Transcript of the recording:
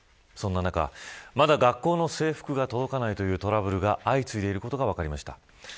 そんな中、まだ学校の制服が届かないというトラブルが相次いでいることが分かりました。